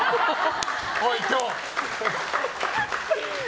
おい、今日！